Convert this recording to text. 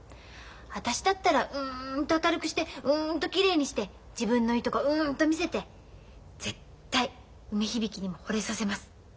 私だったらうんと明るくしてうんときれいにして自分のいいとこうんと見せて絶対梅響にもほれさせます。